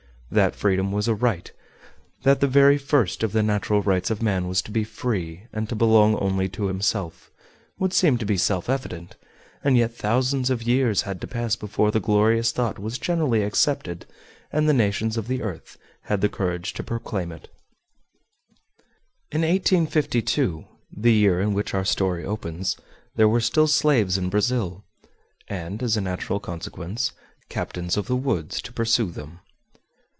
That freedom was a right, that the very first of the natural rights of man was to be free and to belong only to himself, would seem to be self evident, and yet thousands of years had to pass before the glorious thought was generally accepted, and the nations of the earth had the courage to proclaim it. In 1852, the year in which our story opens, there were still slaves in Brazil, and as a natural consequence, captains of the woods to pursue them.